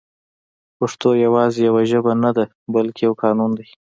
پښتو يوازې يوه ژبه نه ده بلکې يو قانون دی